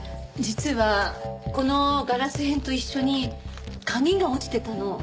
実はこのガラス片と一緒に鍵が落ちてたの。